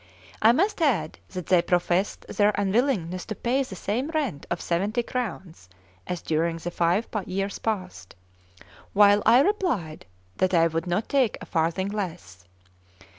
I must add that they professed their unwillingness to pay the same rent of seventy crowns as during the five years past, while I replied that I would not take a farthing less.